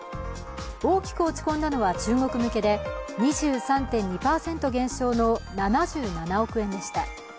大きく落ち込んだのは中国向けで２３．２％減少の７７億円でした。